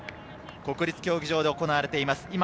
国立競技場で行われています。